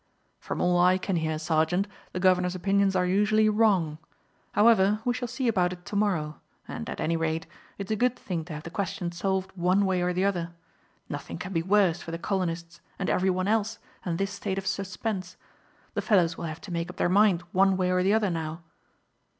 "From all I can hear, sergeant, the Governor's opinions are usually wrong. However, we shall see about it to morrow, and, at any rate, it's a good thing to have the question solved one way or the other. Nothing can be worse for the colonists and every one else than this state of suspense. The fellows will have to make up their mind one way or the other now."